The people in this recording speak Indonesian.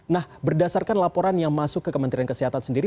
nah berdasarkan laporan yang masuk ke kementerian kesehatan sendiri